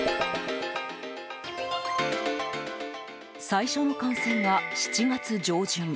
最初の感染が７月上旬。